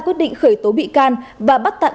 quyết định khởi tố bị can và bắt tạm